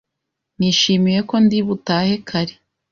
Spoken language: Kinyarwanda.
Nishimiye ko ndi butahe kare